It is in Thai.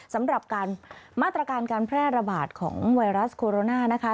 สำหรับการมาตรการการแพร่ระบาดของไวรัสโคโรนานะคะ